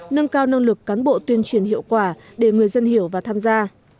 nâng cao năng lực cán bộ tuyên truyền hiệu quả để người dân hiểu và tham gia